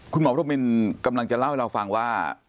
คุณหมอพรมินกำลังจะเล่าให้เราฟังว่า